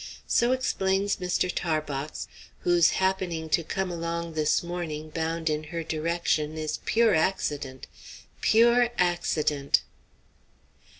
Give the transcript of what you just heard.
So explains Mr. Tarbox, whose happening to come along this morning bound in her direction is pure accident pure accident.